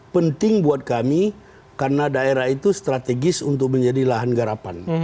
penting buat kami karena daerah itu strategis untuk menjadi lahan garapan